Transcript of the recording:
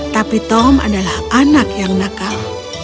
tapi tom adalah anak yang nakal